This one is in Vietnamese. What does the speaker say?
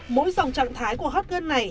mỗi dòng trạng thái của hot girl này